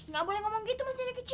gak boleh ngomong gitu mas nenek kecil